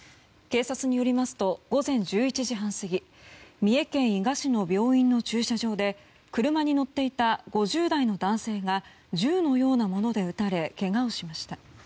警察によりますと午前１１時半過ぎ三重県伊賀市の病院の駐車場で車に乗っていた５０代の男性が銃のようなもので撃たれけがをしました。